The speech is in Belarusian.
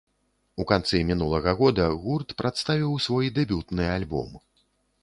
У канцы мінулага года гурт прадставіў свой дэбютны альбом.